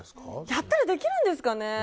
やったらできるんですかね。